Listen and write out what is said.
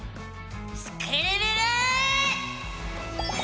スクるるる！